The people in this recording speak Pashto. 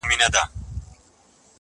زه یې وینمه که خاص دي او که عام دي,